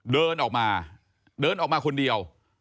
เดินออกมาเดินออกมาคนเดียว